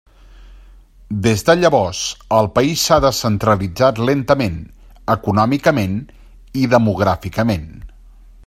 Des de llavors, el país s'ha descentralitzat lentament, econòmicament i demogràficament.